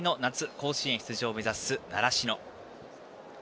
甲子園出場を目指す習志野。